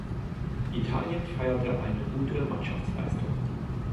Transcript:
Italien feierte eine gute Mannschaftsleistung.